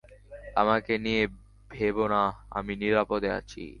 আমাকে নিয়ে ভেবো না, আমি নিরাপদে আছি।